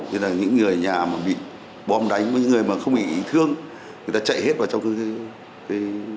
thế là những người nhà mà bị bom đánh với những người mà không bị thương người ta chạy hết vào trong cái